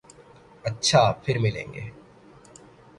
اچھا پھر ملیں گے۔